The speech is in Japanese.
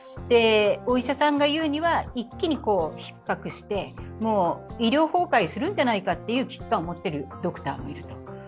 お医者さんが言うには、一気にひっ迫して、医療崩壊するんじゃないかっていう危機感を持っているドクターもいると。